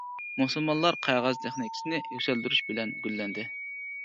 مۇسۇلمانلار قەغەز تېخنىكىسىنى يۈكسەلدۈرۈش بىلەن گۈللەندى.